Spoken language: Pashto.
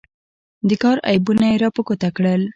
د کار عیبونه یې را په ګوته کړل.